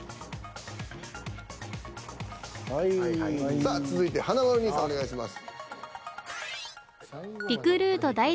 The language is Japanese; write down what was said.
さあ続いて華丸兄さんお願いします。